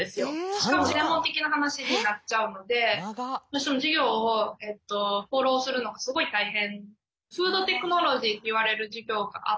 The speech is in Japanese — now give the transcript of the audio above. しかも専門的な話になっちゃうのでどうしても授業をフォローするのがすごい大変。